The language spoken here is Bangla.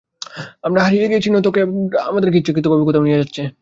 আমরা হারিয়ে গেছি, নয়তো ক্যাব ড্রাইভার আমাদেরকে ইচ্ছাকৃতভাবে কোথাও নিয়ে যাচ্ছে।